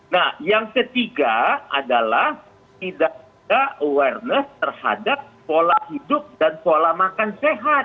nah yang ketiga adalah tidak ada awareness terhadap pola hidup dan pola makan sehat